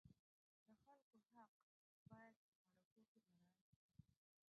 د خلکو حق باید په مرکو کې مراعت شي.